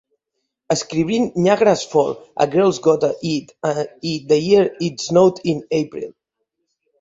Escrivint Nyagra's Falls, A Girl's Gotta Eat i The Year it Snowed in April.